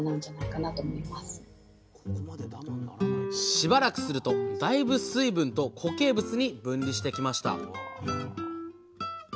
しばらくするとだいぶ水分と固形物に分離してきました